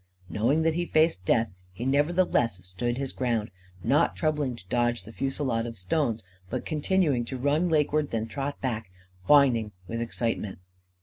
Knowing that he faced death, he nevertheless stood his ground, not troubling to dodge the fusillade of stones, but continuing to run lakeward and then trot back, whining with excitement.